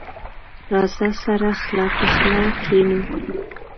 راځه، سره خله په خله کېنو.